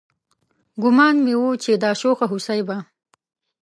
ګومان مې و چې دا شوخه هوسۍ به